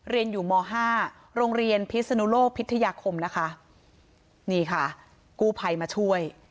เรียนอยู่ม๕โรงเรียนพิศนุโลกพิทยาคมนะคะนี่ค่ะกู้ภัยมาช่วย